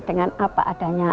dengan apa adanya